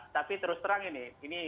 tapi terus terang ini